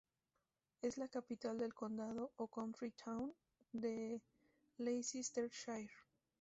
Es la capital del condado o "county town" de Leicestershire.